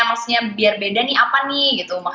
maksudnya biar beda nih apa nih gitu